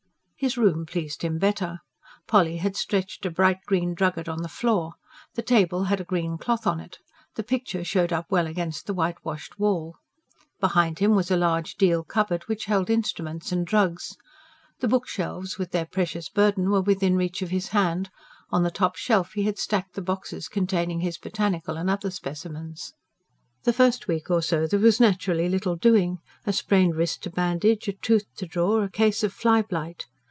His room pleased him better. Polly had stretched a bright green drugget on the floor; the table had a green cloth on it; the picture showed up well against the whitewashed wall. Behind him was a large deal cupboard, which held instruments and drugs. The bookshelves with their precious burden were within reach of his hand; on the top shelf he had stacked the boxes containing his botanical and other specimens. The first week or so there was naturally little doing: a sprained wrist to bandage, a tooth to draw, a case of fly blight.